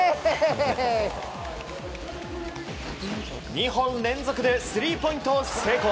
２本連続でスリーポイントを成功。